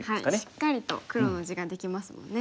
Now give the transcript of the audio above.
しっかりと黒の地ができますもんね。